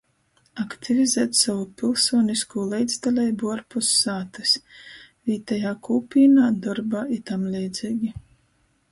Aktivizēt sovu pylsūniskū leidzdaleibu uorpus sātys, vītejā kūpīnā, dorbā i tamleidzeigi.